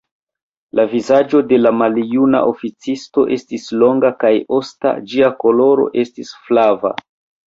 La vizaĝo de la maljuna oficisto estis longa kaj osta, ĝia koloro estis flava.